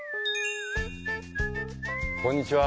こんにちは。